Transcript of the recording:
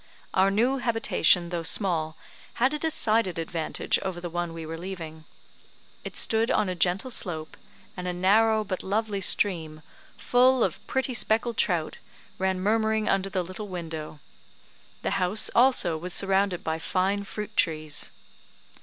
Our new habitation, though small, had a decided advantage over the one we were leaving. It stood on a gentle slope; and a narrow but lovely stream, full of pretty speckled trout, ran murmuring under the little window; the house, also, was surrounded by fine fruit trees.